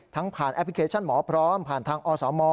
ผ่านแอปพลิเคชันหมอพร้อมผ่านทางอสม